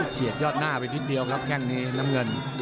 ยอดหน้าไปนิดเดียวครับแค่งนี้น้ำเงิน